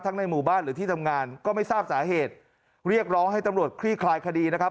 ในหมู่บ้านหรือที่ทำงานก็ไม่ทราบสาเหตุเรียกร้องให้ตำรวจคลี่คลายคดีนะครับ